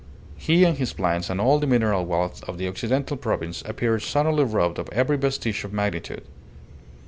He and his plans and all the mineral wealth of the Occidental Province appeared suddenly robbed of every vestige of magnitude.